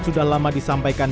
sudah lama disampaikan